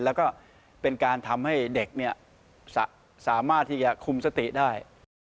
แล้วก็เป็นการทำให้เด็กสามารถที่จะคุมสติได้